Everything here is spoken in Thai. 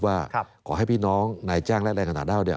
ว่าขอให้พี่น้องไหนจ้างและแหลงงานอาร่าว